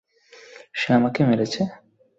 সে আমাকে মেরেছে!